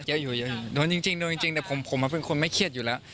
เยอะอยู่เยอะโดนจริงโดนจริงแต่ผมผมเป็นคนไม่เครียดอยู่แล้ว